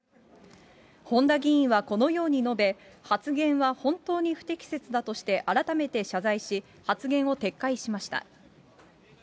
本多議員はこのように述べ、発言は本当に不適切だとして改めて謝罪し、発言を撤回しました。